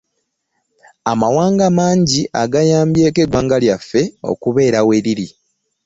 Amawanga mangi agayambyeko eggwanga lyaffe okubeera nga weriri.